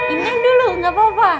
inden dulu gak apa apa